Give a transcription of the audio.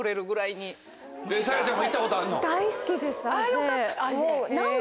よかった。